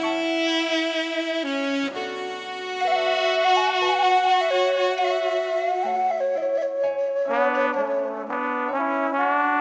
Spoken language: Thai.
อ้าวอ้าวอ้าวอ้าว